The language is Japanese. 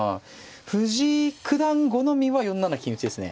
藤井九段好みは４七金打ですね。